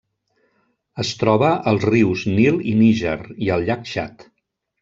Es troba als rius Nil i Níger, i al llac Txad.